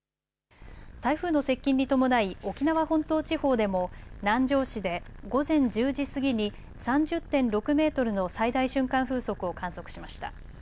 台風の接近に伴い沖縄本島地方でも南城市で午前１０時過ぎに３０．６メートルの最大瞬間風速を観測しました。